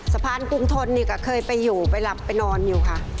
สะพานกรุงทนนี่ก็เคยไปอยู่ไปหลับไปนอนอยู่ค่ะ